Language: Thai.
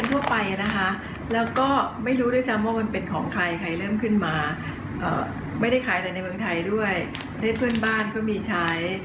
แน่นอนค่ะ